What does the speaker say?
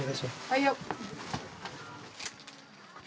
はいよ。